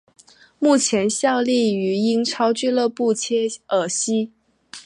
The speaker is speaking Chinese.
目前效力于英超俱乐部切尔西。